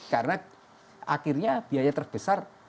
karena akhirnya biaya terbesar akan jauh